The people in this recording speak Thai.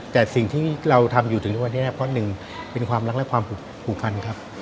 แต่สิ่งที่เราทำอยู่ถึงทุกวันนี้เพราะหนึ่งเป็นความรักและความผูกพันครับ